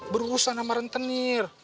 berusaha sama rentenir